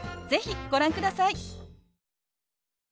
是非ご覧ください。